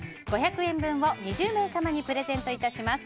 ５００円分を２０名様にプレゼントいたします。